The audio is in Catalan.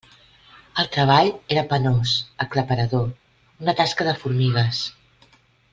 El treball era penós, aclaparador; una tasca de formigues.